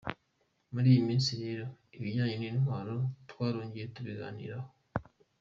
Muri iyi minsi rero, ibijyanye n’intwaro twarongeye tubiganiraho ”